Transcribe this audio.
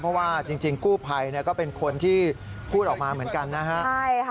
เพราะว่าจริงกู้ภัยก็เป็นคนที่พูดออกมาเหมือนกันนะฮะ